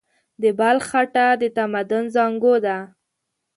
د بلخ خټه د تمدن زانګو ده.